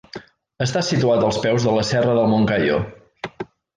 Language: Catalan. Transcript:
Està situat als peus de la serra del Moncayo.